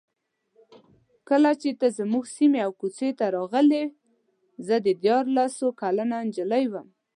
کله چې ته زموږ سیمې او کوڅې ته راغلې زه دیارلس کلنه نجلۍ وم.